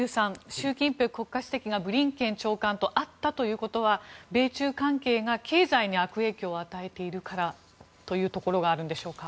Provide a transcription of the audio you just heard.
習近平国家主席がブリンケン長官と会ったということは米中関係が経済に悪影響を与えているからというところがあるんでしょうか。